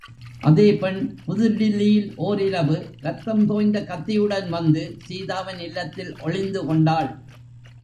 அதே பெண் புதுடில்லியில் ஓர் இரவு ரத்தம் தோய்ந்த கத்தியுடன் வந்து சீதாவின் இல்லத்தில் ஒளிந்துகொண்டாள்.